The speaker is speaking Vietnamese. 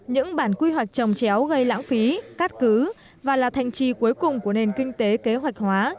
những bản quy hoạch trồng chéo gây lãng phí cắt cứ và là thành trì cuối cùng của nền kinh tế kế hoạch hóa